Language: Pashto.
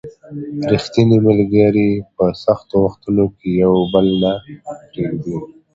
ریښتیني ملګري په سختو وختونو کې یو بل نه پرېږدي